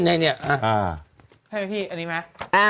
ใช่ไหมพี่อันนี้ไหม